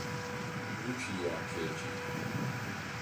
Lucia Ceci